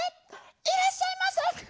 いらっしゃいませ。